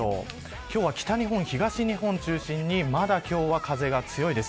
今日は北日本、東日本中心にまだ風が強いです。